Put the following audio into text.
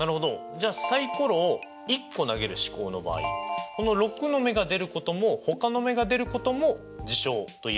じゃあサイコロを１個投げる試行の場合この６の目が出ることもほかの目が出ることも事象と言えるわけですね。